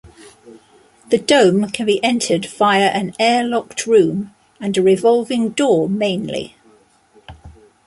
The dome can be entered via an air-locked room and a revolving door mainly.